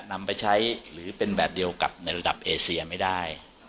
นำไปใช้หรือเป็นแบบเดียวกับในระดับเอเซียไม่ได้